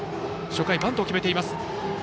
初回はバントを決めています。